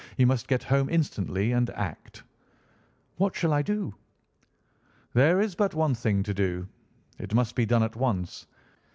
You must get home instantly and act." "What shall I do?" "There is but one thing to do. It must be done at once.